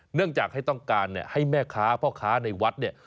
เนื่องจากให้ต้องการให้แม่ค้าพ่อค้าในวัดเนี่ย